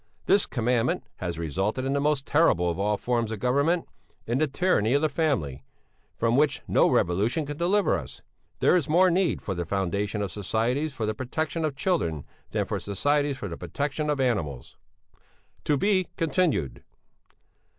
This Commandment has resulted in the most terrible of all forms of government, in the tyranny of the family, from which no revolution can deliver us. There is more need for the foundation of societies for the protection of children than for societies for the protection of animals. "'To be continued.